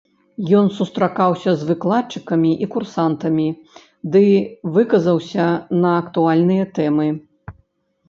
Ён сустракаўся з выкладчыкамі і курсантамі ды выказаўся на актуальныя тэмы.